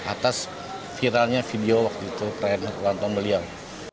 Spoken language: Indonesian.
atas viralnya video waktu itu perayaan ulang tahun beliau